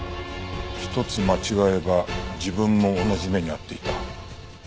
一つ間違えば自分も同じ目に遭っていた。